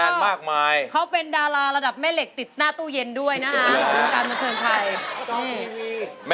สวัสดีค่ะเรียงครับยงโยงครับ